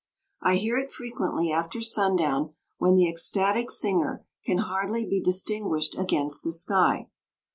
I hear it frequently after sundown when the ecstatic singer can hardly be distinguished against the sky.